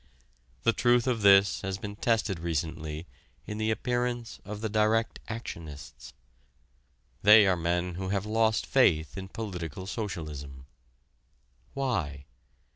The truth of this has been tested recently in the appearance of the "direct actionists." They are men who have lost faith in political socialism. Why?